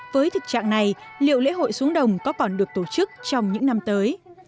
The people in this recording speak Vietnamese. với thực trạng này liệu lễ hội xuống đồng có còn được tổ chức trong những năm tới